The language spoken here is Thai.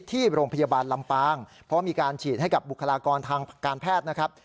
ที่โรงพยาบาลลำปางเพราะมีการฉีดให้กับบุคลากรทางการแพทย์นะครับ